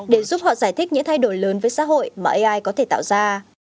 để giúp họ giải thích những thay đổi lớn với xã hội mà ai có thể tạo ra